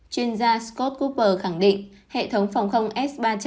chuyên gia scott goopper khẳng định hệ thống phòng không s ba trăm linh